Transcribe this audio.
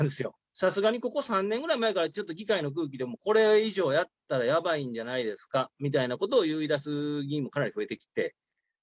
さすがにここ３年ぐらい前から、ちょっと議会の空気でもこれ以上やったらやばいんじゃないですかみたいなことを言いだす議員もかなり増えてきて。